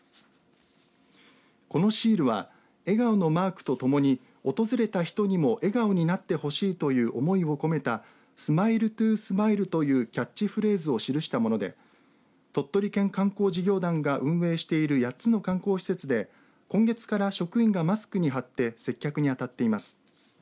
このシールは笑顔のマークとともに訪れた人にも笑顔になってほしいという思いを込めたＳｍｉｌｅｔｏＳｍｉｌｅというキャッチフレーズを記したもので鳥取県環境事業団が運営している８つの観光施設で今月から職員のマスクに貼って接客にあたっています。